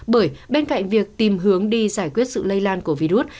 bởi bên cạnh việc tìm hướng đi giải quyết sự lây lan của virus